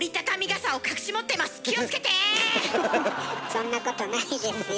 そんなことないですよ。